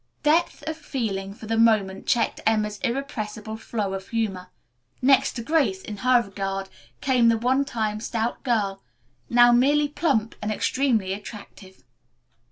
Depth of feeling for the moment checked Emma's irrepressible flow of humor. Next to Grace, in her regard, came the one time stout girl, now merely plump and extremely attractive.